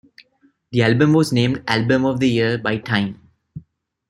The album was named "Album of the Year" by "Time".